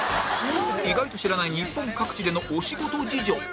意外と知らない日本各地でのお仕事事情